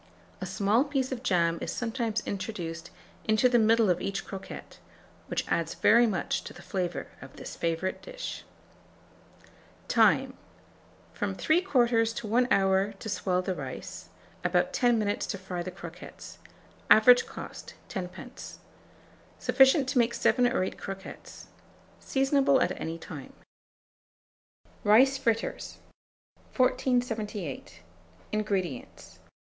A small piece of jam is sometimes introduced into the middle of each croquette, which adds very much to the flavour of this favourite dish. Time. From 3/4 to 1 hour to swell the rice; about 10 minutes to fry the croquettes. Average cost, 10d. Sufficient to make 7 or 8 croquettes. Seasonable at any time. RICE FRITTERS. 1478. INGREDIENTS.